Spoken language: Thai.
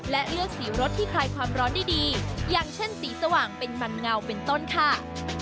และเลือกสีรถที่คลายความร้อนได้ดีอย่างเช่นสีสว่างเป็นมันเงาเป็นต้นค่ะ